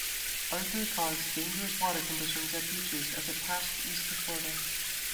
Arthur caused dangerous water conditions at beaches as it passed east of Florida.